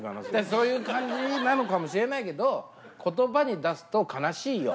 そういう感じなのかもしれないけど、ことばに出すと、悲しいよ。